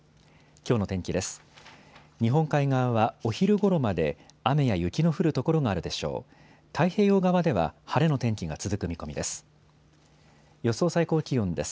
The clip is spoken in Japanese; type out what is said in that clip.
きょうの天気です。